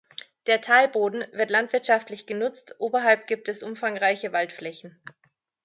Der Talboden wird landwirtschaftlich genutzt, oberhalb gibt es umfangreiche Waldflächen.